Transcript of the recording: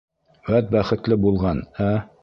Вәт бәхетле булған, ә!